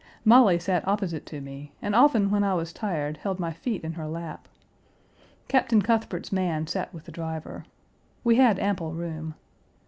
Molly sat opposite to me, and often when I was tired held my feet in her lap. Captain Cuthbert's man sat with the driver. We had ample room.